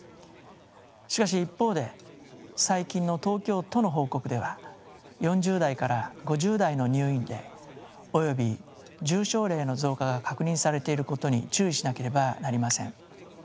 しかし一方で最近の東京都の報告では４０代から５０代の入院例および重症例の増加が確認されていることに注意しなければなりません。